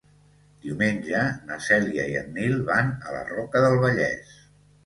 Diumenge na Cèlia i en Nil van a la Roca del Vallès.